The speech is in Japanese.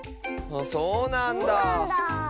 そうなんだ。